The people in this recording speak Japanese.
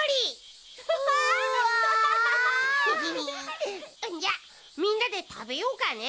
んじゃあみんなでたべようかね。